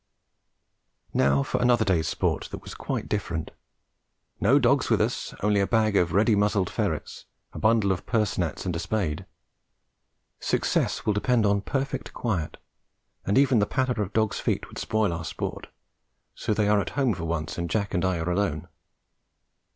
Now for another day's sport that was quite different. No dogs with us, only a bag of ready muzzled ferrets, a bundle of purse nets and a spade. Success will depend on perfect quiet, and even the patter of the dogs' feet would spoil our sport, so they are at home for once, and Jack and I are alone.